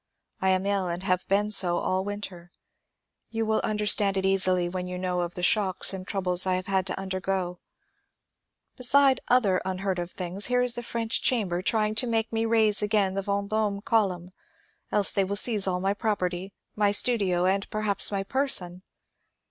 I am ill and have been so all winter. You will understand it easily when you know of the shocks and troubles I have had to undergo. 276 MONCURE DANIEL CONWAY Beside other unheard of things, here is the French Cham ber trying to make me raise again the Venddme column, else they will seize all my property, my studio, and perhaps my person.